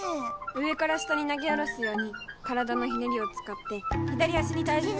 上から下に投げ下ろすように体のひねりを使って左足にたいじゅうを。